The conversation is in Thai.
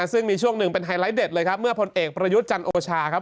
ซึ่งมีช่วงหนึ่งเป็นไฮไลท์เด็ดเลยครับเมื่อพลเอกประยุทธ์จันทร์โอชาครับ